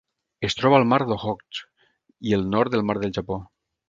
Es troba al Mar d'Okhotsk i el nord del Mar del Japó.